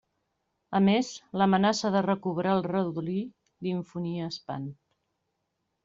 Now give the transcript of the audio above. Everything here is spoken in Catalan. A més, l'amenaça de recobrar el redolí li infonia espant.